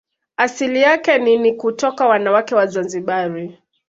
Asili yake ni ni kutoka wanawake wa Zanzibar